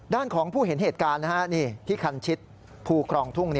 ด้านของผู้เห็นเหตุการณ์นี่พี่คันชิตภูครองทุ่ง